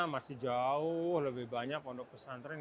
masih jauh lebih banyak pondok pesantren